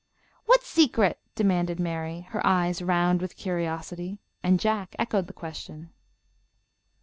"What secret?" demanded Mary, her eyes round with curiosity, and Jack echoed the question.